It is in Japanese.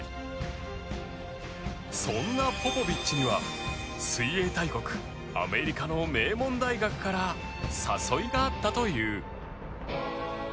そんなポポビッチには水泳大国アメリカの名門大学から誘いがあったという。